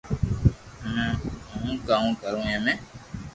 ھمي ھون ڪاوُ ڪرو اي مي